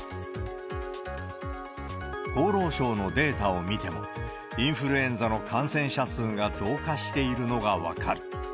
厚労省のデータを見ても、インフルエンザの感染者数が増加しているのが分かる。